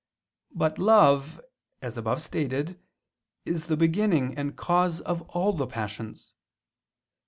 But love, as above stated, is the beginning and cause of all the passions.